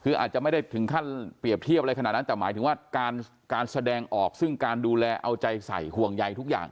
คืออาจจะไม่ได้ถึงขั้นเปรียบเทียบอะไรขนาดนั้นแต่หมายถึงว่าการแสดงออกซึ่งการดูแลเอาใจใส่ห่วงใยทุกอย่าง